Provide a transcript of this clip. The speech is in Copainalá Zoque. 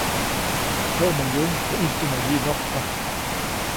Tyoʼmäyuʼuŋ teʼ ʼijtumä wyiʼnojkpajk.